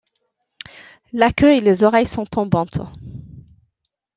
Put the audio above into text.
La queue et les oreilles sont tombantes.